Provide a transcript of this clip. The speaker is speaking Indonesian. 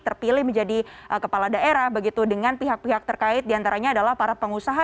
terpilih menjadi kepala daerah begitu dengan pihak pihak terkait diantaranya adalah para pengusaha